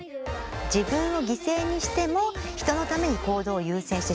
自分を犠牲にしても人のために行動を優先してしまう。